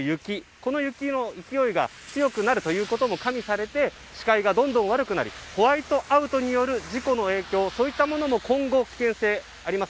この雪の勢いが強くなるということも加味されて視界がどんどん悪くなりホワイトアウトによる事故の影響今後、危険性があります。